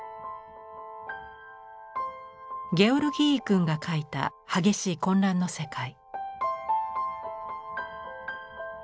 ゲオルギーイ君が描いた激しい混乱の世界。